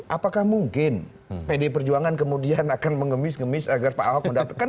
apakah mungkin pdi perjuangan kemudian akan mengemis gemis agar pak ahok mendapatkan